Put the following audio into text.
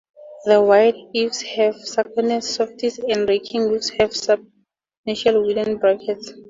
The wide eaves have stuccoed soffits and the raking eaves have substantial wooden brackets.